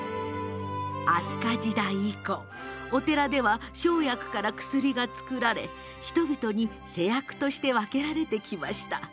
飛鳥時代以降お寺では生薬から薬が作られ人々に、施薬として分けられてきました。